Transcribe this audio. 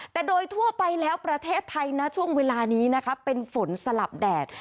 แต่โดยทั่วไปแล้วประเทศไทยนะช่วงเวลานี้นะคะเป็นฝนสลับแดด